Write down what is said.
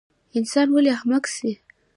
انسان ولۍ احمق سي؟